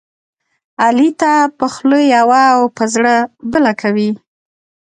علي تل په خوله یوه او په زړه بله کوي.